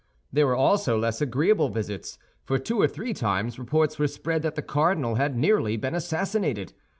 There were also less agreeable visits—for two or three times reports were spread that the cardinal had nearly been assassinated.